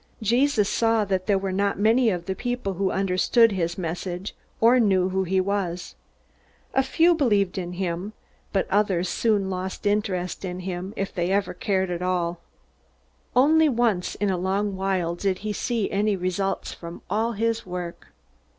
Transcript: Jesus saw that there were not many of the people who understood his message or knew who he was. A few believed in him, but others soon lost interest in him, if they ever cared at all. Only once in a long while did he see any results from all his work.